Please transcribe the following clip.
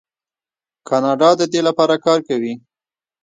کاناډا د دې لپاره کار کوي.